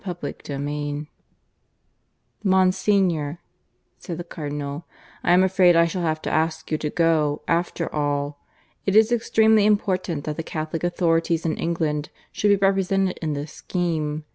PART III CHAPTER I (I) "Monsignor," said the Cardinal, "I am afraid I shall have to ask you to go, after all. It is extremely important that the Catholic authorities in England should be represented in this scheme.